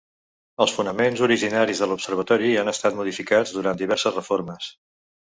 Els fonaments originaris de l'observatori han estat modificats durant diverses reformes.